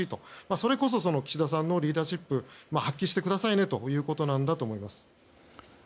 それこそ岸田さんのリーダーシップを発揮してくださいねということだと思います。